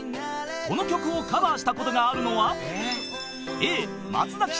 ［この曲をカバーしたことがあるのは］